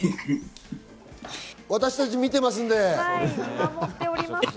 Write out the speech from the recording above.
私たち見ていますので。